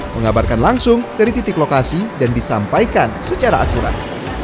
mengabarkan langsung dari titik lokasi dan disampaikan secara akurat